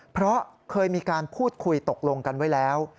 เพราะเคยมีการพูดคุยตกลงกันไว้แล้ว